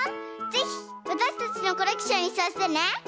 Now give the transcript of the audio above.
ぜひわたしたちのコレクションにさせてね！